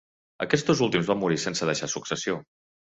Aquests dos últims van morir sense deixar successió.